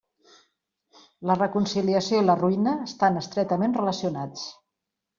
La reconciliació i la ruïna estan estretament relacionats.